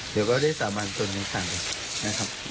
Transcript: เดี๋ยวก็ได้สาบานตนในทางนะครับ